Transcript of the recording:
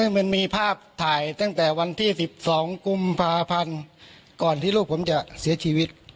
มันมีภาพถ่ายตั้งแต่วันที่๑๒กุมภาพันธ์ก่อนที่ลูกผมจะเสียชีวิต